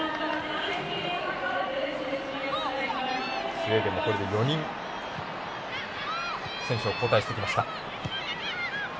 スウェーデンも、これで４人選手を交代してきました。